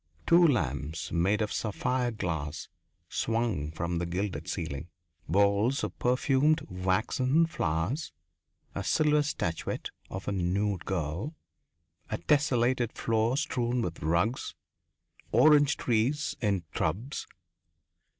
Two lamps made of sapphire glass swung from the gilded ceiling.... Bowls of perfumed, waxen flowers. A silver statuette of a nude girl. A tessellated floor strewn with rugs. Orange trees in tubs.